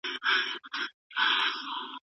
ښایي ښوونکي زموږ پاڼه وړاندي کړي.